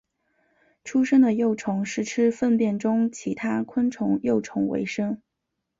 出生的幼虫是吃粪便中其他昆虫幼虫为生。